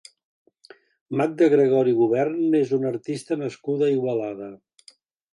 Magda Gregori Gubern és una artista nascuda a Igualada.